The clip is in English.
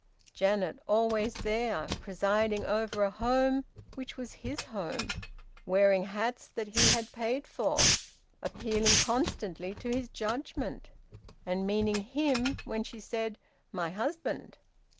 Janet always there, presiding over a home which was his home, wearing hats that he had paid for, appealing constantly to his judgement, and meaning him when she said, `My husband.'